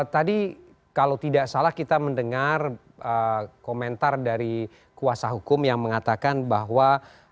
tadi kalau tidak salah kita mendengar komentar dari kuasa hukum yang mengatakan bahwa